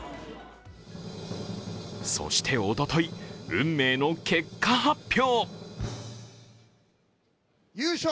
そしておととい運命の結果発表。